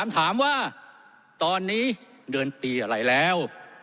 ถามว่าตอนนี้เดือนปีอะไรแล้ว